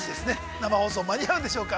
生放送、間に合うんでしょうか？